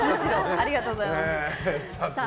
ありがとうございます。